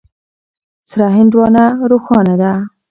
سره هندوانه روښانه ده.